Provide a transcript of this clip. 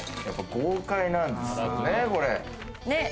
やっぱ豪快なんですよね。